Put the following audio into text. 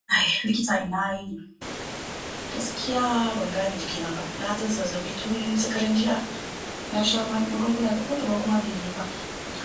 In the same year he was awarded a LittD from the University of Cambridge.